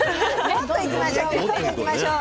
もっといきましょう！